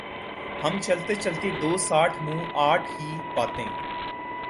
ہم چلتے چلتے دوسآٹھ منہ آٹھ ہی باتیں